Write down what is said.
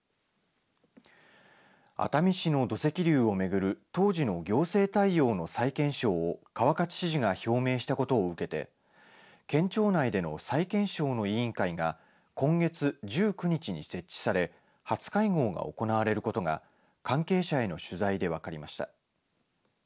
熱海市の土石流を巡る当時の行政対応の再検証を川勝知事が表明したことを受けて県庁内での再検証の委員会が今月１９日に設置され初会合が行われることが関係者への取材で分かりました。